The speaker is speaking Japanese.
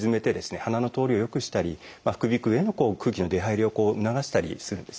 鼻の通りを良くしたり副鼻腔への空気の出入りを促したりするんですね。